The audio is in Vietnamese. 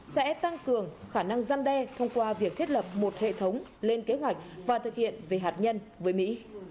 sẽ tăng cường khả năng gian đe thông qua việc thiết lập một hệ thống lên kế hoạch và thực hiện về hạt nhân với mỹ